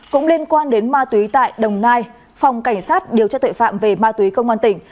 cũng liên quan đến ma túy tại đồng nai phòng cảnh sát điều tra tuệ phạm về ma túy công an tỉnh